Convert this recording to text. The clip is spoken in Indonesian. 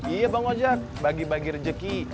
iya bang ojak bagi bagi rezeki